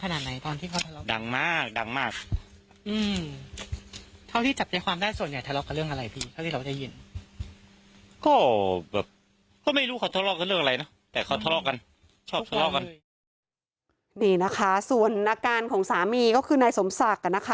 นี่นะครับส่วนอาการของสามีคือนายสมศักรรม